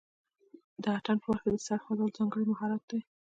د اتن په وخت کې د سر خوځول ځانګړی مهارت دی.